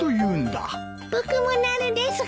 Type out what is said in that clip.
僕もなるです